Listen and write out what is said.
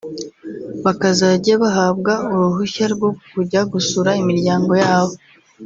bakazajya bahabwa uruhushya rwo kujya gusura imiryango yabo